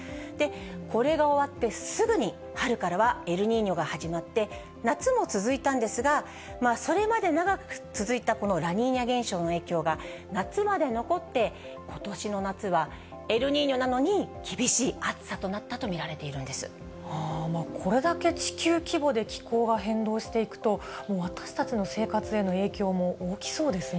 これが終わってすぐに、春からはエルニーニョが始まって夏も続いたんですが、それまで長く続いたこのラニーニャ現象の影響が夏まで残って、ことしの夏はエルニーニョなのに厳しい暑さとなったと見られていこれだけ地球規模で気候が変動していくと、もう私たちの生活への影響も大きそうですね。